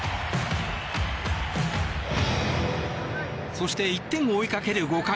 そして１点を追いかける５回。